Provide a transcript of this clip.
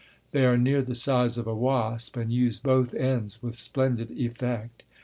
They are near the size of a wasp and use both ends with splendid effect.